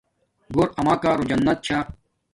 گھور اماکارو جنت چھا